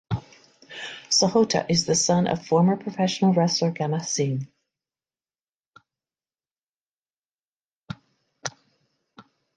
Sahota is the son of former professional wrestler Gama Singh.